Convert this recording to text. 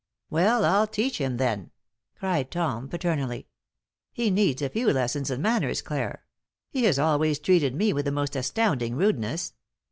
"Well, I'll teach him, then," cried Tom, paternally. "He needs a few lessons in manners, Clare. He has always treated me with the most astounding rudeness.